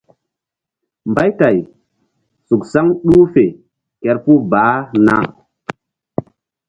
Mbaytay suk saŋ ɗuh fe kerpuh baah na.